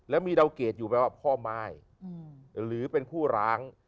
แล้วมีดาวเกรดอยู่ไหมว่าพ่อม่ายหรือเป็นผู้ร้าง